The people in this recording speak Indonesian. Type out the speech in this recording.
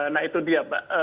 nah itu dia pak